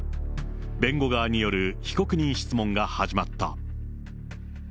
弁護側による被告人質問が始まった。